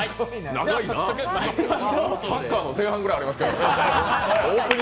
長いな、サッカーの前半ぐらいありますけど。